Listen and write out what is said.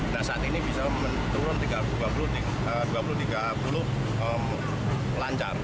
nah saat ini bisa menurun dua puluh tiga puluh lancar